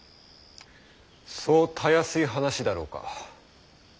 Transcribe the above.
そうたやすい話だろうか。